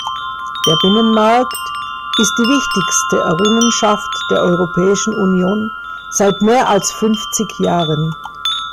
Der Binnenmarkt ist die wichtigste Errungenschaft der Europäischen Union seit mehr als fünfzig Jahren.